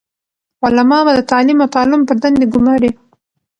علماء به د تعليم او تعلم پر دندي ګماري،